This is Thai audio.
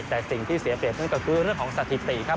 แต่สิ่งที่เสียเปรียบนั่นก็คือเรื่องของสถิติครับ